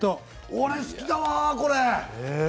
俺、好きだな、これ！